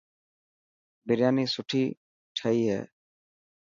برياني سٺي تهئي هي.